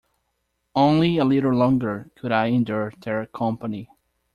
Only a little longer could I endure their company.